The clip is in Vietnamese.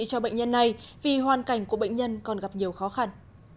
cho bệnh nhân này vì hoàn cảnh của bệnh nhân còn gặp nhiều khó khăn